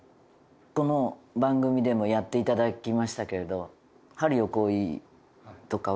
この番組でもやっていただきましたけれど。